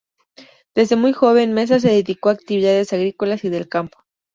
Desde muy joven Mesa se dedicó a actividades agrícolas y del campo.